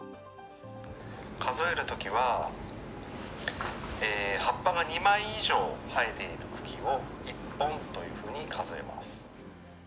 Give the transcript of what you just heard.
数えるときは、葉っぱが２枚以上生えている茎を１本というふうに数えます。